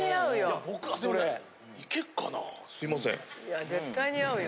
いや絶対似合うよ。